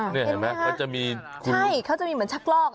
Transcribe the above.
นี่เห็นไหมเขาจะมีใช่เขาจะมีเหมือนชักลอก